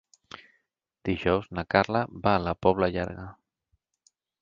Dijous na Carla va a la Pobla Llarga.